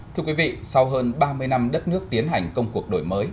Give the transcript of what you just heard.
thưa quý vị sau hơn ba mươi năm đất nước tiến hành công cuộc đổi mới